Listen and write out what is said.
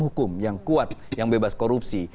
hukum yang kuat yang bebas korupsi